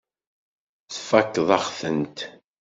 Tfakkeḍ-aɣ-tent.